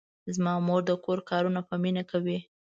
زما مور د کور کارونه په مینه کوي.